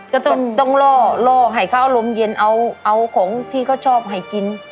ก็ต้องรอหายข้าวลมเย็นเอาของที่เขาชอบให้กิน